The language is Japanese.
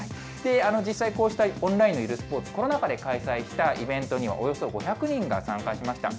実際、こうしたオンラインのゆるスポーツ、コロナ禍で開催したイベントには、およそ５００人が参加しました。